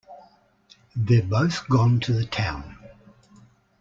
They’re both gone to the town.